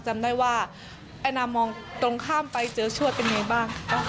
จำได้ว่าแอนามองตรงข้ามไปเจอชั่วเป็นอย่างไรบ้าง